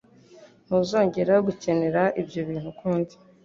Ntuzongera gukenera ibyo bintu ukundi.